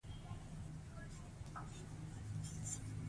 اداري پرېکړې باید معقولې وي.